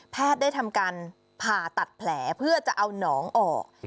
ได้ทำการผ่าตัดแผลเพื่อจะเอาน้องออก